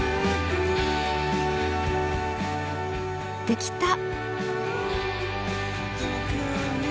できた！